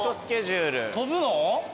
飛ぶの？